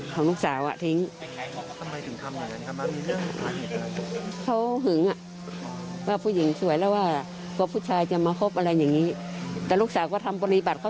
ครอบครัวของในสิงห์ก็มีตัวแทนเดินทางมาร่วมพิธีนะคะ